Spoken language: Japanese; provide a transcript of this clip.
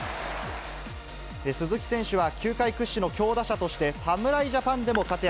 鈴木選手は、球界屈指の強打者として、侍ジャパンでも活躍。